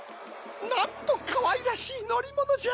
なんとかわいらしいのりものじゃ！